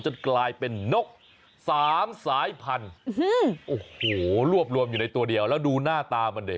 จนกลายเป็นนก๓สายพันธุ์โอ้โหรวบรวมอยู่ในตัวเดียวแล้วดูหน้าตามันดิ